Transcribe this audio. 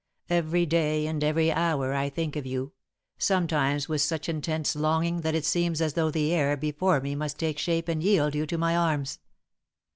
Every day and every hour I think of you, sometimes with such intense longing that it seems as though the air before me must take shape and yield you to my arms.